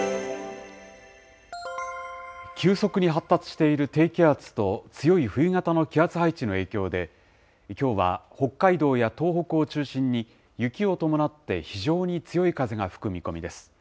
急速に発達している低気圧と、強い冬型の気圧配置の影響で、きょうは北海道や東北を中心に、雪を伴って非常に強い風が吹く見込みです。